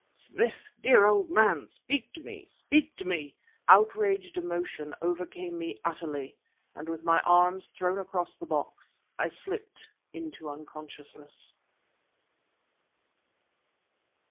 "Smith, dear old man! speak to me! speak to me!..." Outraged emotion overcame me utterly, and with my arms thrown across the box, I slipped into unconsciousness.